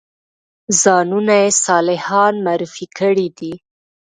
ځانونه یې صالحان معرفي کړي دي.